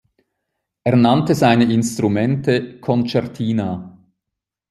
Er nannte seine Instrumente "Concertina".